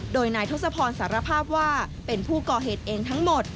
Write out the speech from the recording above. โดยนายทศพรสารภาพว่าเป็นผู้ก่อเหตุเองทั้งหมด